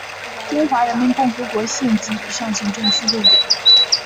中华人民共和国县级以上行政区列表